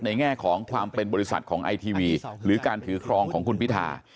แง่ของความเป็นบริษัทของไอทีวีหรือการถือครองของคุณพิธา